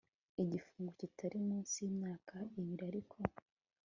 igifungo kitari munsi y imyaka ibiri ariko